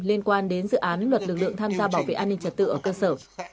liên quan đến dự án luật lực lượng tham gia bảo vệ an ninh trật tự ở cơ sở